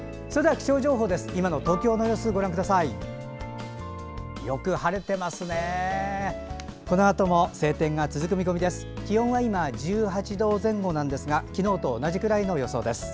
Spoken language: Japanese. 気温は今１８度前後なんですが昨日と同じくらいの予想です。